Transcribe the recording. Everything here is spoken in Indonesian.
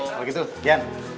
kalau gitu gian